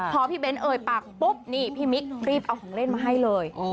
พอพี่เบ้นเอ่ยปากปุ๊บนี่พี่มิ๊กรีบเอาของเล่นมาให้เลย